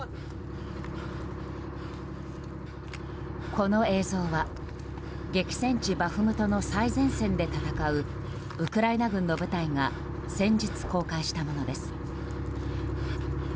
この映像は激戦地バフムトの最前線で戦うウクライナ軍の部隊が先日公開したものです。